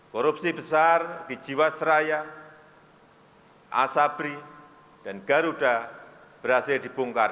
korupsi besar di jiwasraya asabri dan garuda berhasil dibongkar